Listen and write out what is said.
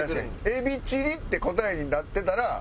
「エビチリ」って答えになってたら。